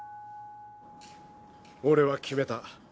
俺は決めた。